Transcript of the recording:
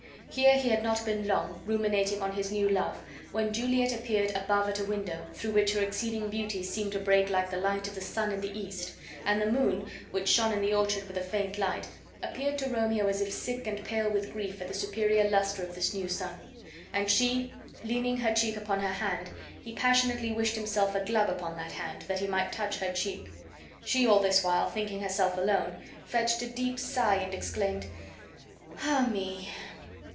Here he had not been long, ruminating on his new love, when Juliet appeared above at a window, through which her exceeding beauty seemed to break like the light of the sun in the east; and the moon, which shone in the orchard with a faint light, appeared to Romeo as if sick and pale with grief at the superior luster of this new sun. And she leaning her cheek upon her hand, he passionately wished himself a glove upon that hand, that he might touch her cheek. She all this while thinking herself alone, fetched a deep sigh, and exclaimed: "Ah me!"